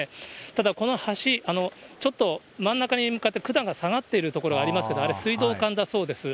ただこの橋、ちょっと真ん中に向かって管が下がっている所がありますけれども、あれ、水道管だそうです。